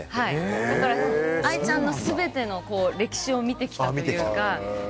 だからＡＩちゃんの全ての歴史を見てきたというか。